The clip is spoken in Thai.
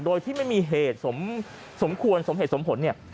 โดยที่ไม่มีเหตุสมควรสมเหตุสมผลเนี่ย